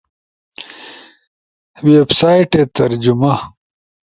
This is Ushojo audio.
ویب سائٹے ترجمہ